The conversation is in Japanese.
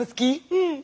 うん。